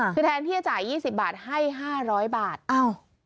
คือแทนที่จะจ่ายยี่สิบบาทให้๕๐๐บาทอ้าว